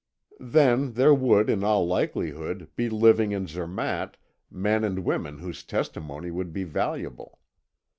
Then there would, in all likelihood, be living in Zermatt men and women whose testimony would be valuable.